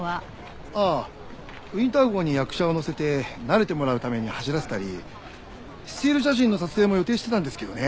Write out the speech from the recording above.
ああウィンター号に役者を乗せて慣れてもらうために走らせたりスチール写真の撮影も予定してたんですけどね。